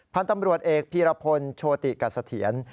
พันธุ์ตำรวจเอกพีรพลโชติกัสเถียร